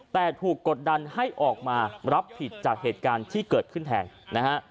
แต่ถูกกดดันให้ออกมารับผิดจากเหตุการณ์ที่เกิดขึ้นแทนนะฮะ